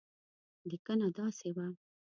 لیکنه داسې وه.